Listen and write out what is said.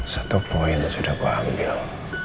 satu poin sudah gue ambil